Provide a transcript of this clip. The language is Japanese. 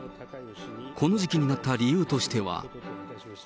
この時期になった理由としては。